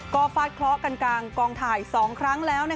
ก็ฟาดเคราะห์กันกลางกองถ่าย๒ครั้งแล้ว